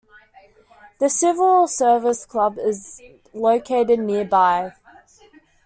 The Civil Service Club is located nearby.